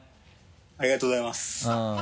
ありがとうございます。